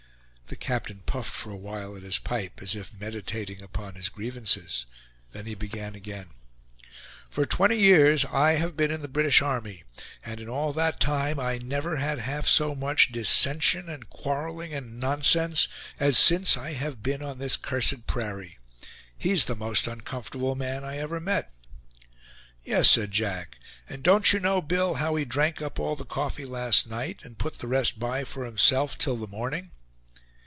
The captain puffed for a while at his pipe, as if meditating upon his grievances; then he began again: "For twenty years I have been in the British army; and in all that time I never had half so much dissension, and quarreling, and nonsense, as since I have been on this cursed prairie. He's the most uncomfortable man I ever met." "Yes," said Jack; "and don't you know, Bill, how he drank up all the coffee last night, and put the rest by for himself till the morning!"